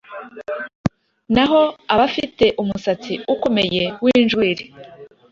Naho abafite umusatsi ukomeye w’injwiri